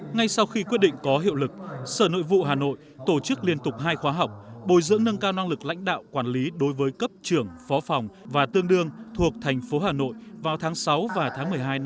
ngay sau khi quyết định có hiệu lực sở nội vụ hà nội tổ chức liên tục hai khoa học bồi dưỡng nâng cao năng lực lãnh đạo quản lý đối với cấp trưởng phó phòng và tương đương thuộc thành phố hà nội vào tháng sáu và tháng bảy